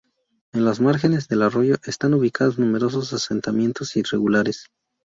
En las márgenes del arroyo están ubicados numerosos asentamientos irregulares.